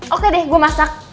oke deh gue masak